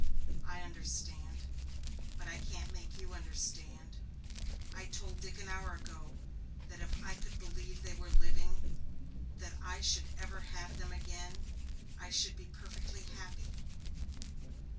I understand, but I can't make you understand. I told Dick an hour ago that if I could believe they were living, that I should ever have them again, I should be perfectly happy.